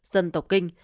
dân tộc kinh